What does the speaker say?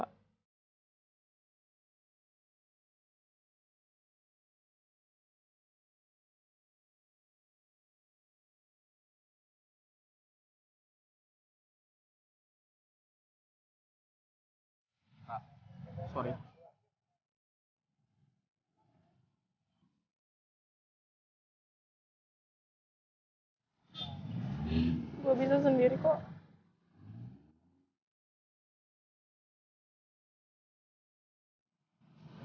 gue bisa sendiri kok